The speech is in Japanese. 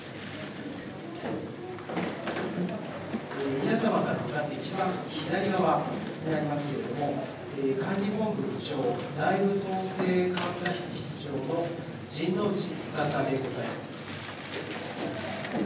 皆様から向かって一番左側になりますが管理本部部長内部統制監査室室長でございます。